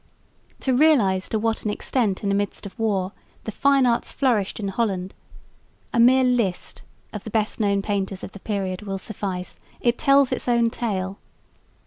To realise to what an extent in the midst of war the fine arts flourished in Holland, a mere list of the best known painters of the period will suffice, it tells its own tale.